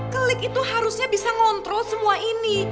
kelik itu harusnya bisa ngontrol semua ini